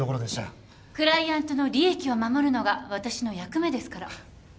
クライアントの利益を守るのが私の役目ですから。